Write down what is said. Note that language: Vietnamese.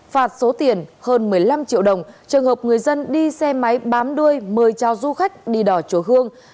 phạt số tiền hơn một mươi năm triệu đồng trường hợp người dân đi xe máy bám đuôi mời trao du khách đi đò chỗ hương